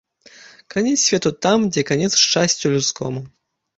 Канец свету там, дзе канец шчасцю людскому.